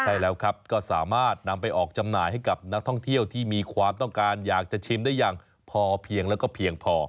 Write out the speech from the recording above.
ใช่แล้วครับก็สามารถนำไปออกจำหน่ายให้กับนักท่องเที่ยวที่มีความต้องการอยากจะชิมได้อย่างพอเพียงแล้วก็เพียงพอ